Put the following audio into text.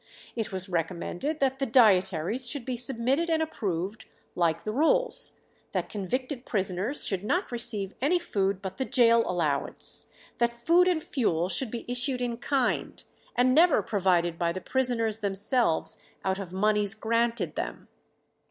It was recommended that the dietaries should be submitted and approved like the rules; that convicted prisoners should not receive any food but the gaol allowance; that food and fuel should be issued in kind, and never provided by the prisoners themselves out of monies granted them.